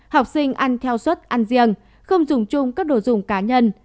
học sinh ăn theo suất ăn riêng không dùng chung các đồ dùng cá nhân